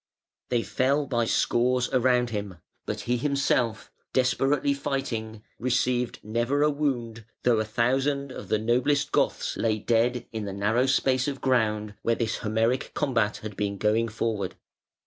They fell by scores around him, but he himself, desperately fighting, received never a wound, though a thousand of the noblest Goths lay dead in the narrow space of ground where this Homeric combat had been going forward.